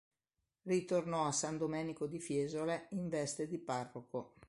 Ritornò a San Domenico di Fiesole, in veste di parroco.